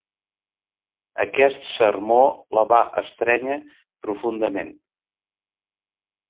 Aquest sermó la va estrènyer profundament.